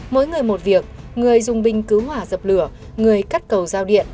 mỗi người một việc người dùng bình cứu hỏa dập lửa người cắt cầu giao điện